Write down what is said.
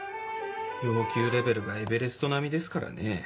要求レベルがエベレスト並みですからね。